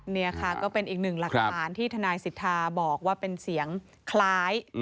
นี่ค่ะก็เป็นอีกหนึ่งหลักฐานที่ทนายสิทธาบอกว่าเป็นเสียงคล้าย